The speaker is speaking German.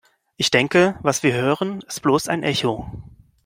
Ich denke, was wir hören, ist bloß ein Echo.